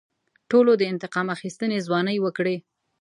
ټولو د انتقام اخیستنې ځوانۍ وکړې.